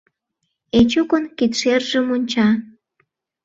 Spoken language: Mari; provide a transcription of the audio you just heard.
Эчукын кидшержым онча.